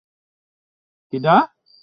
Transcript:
তুই না গেলে আমি কিছুতেই শান্তি পাইতেছি না।